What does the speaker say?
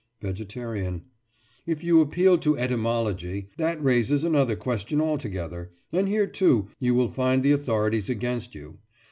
VEGETARIAN: If you appeal to etymology, that raises another question altogether, and here, too, you will find the authorities against you.